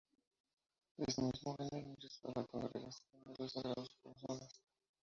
Ese mismo año ingresó a la Congregación de los Sagrados Corazones.